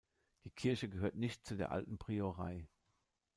Die Kirche gehörte nicht zu der alten Priorei.